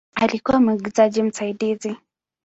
Alikuwa mwigizaji msaidizi.